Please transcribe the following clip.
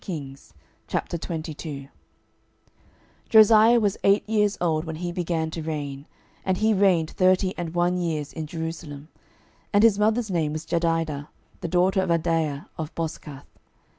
12:022:001 Josiah was eight years old when he began to reign, and he reigned thirty and one years in Jerusalem. And his mother's name was Jedidah, the daughter of Adaiah of Boscath.